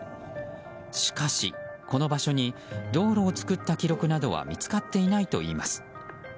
しかし、この場所に道路を作った記録などは見つかっていないといいます。